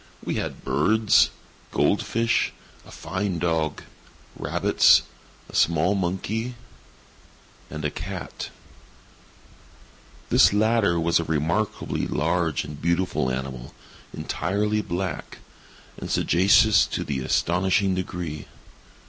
We had birds, gold fish, a fine dog, rabbits, a small monkey, and a cat. This latter was a remarkably large and beautiful animal, entirely black, and sagacious to an astonishing degree.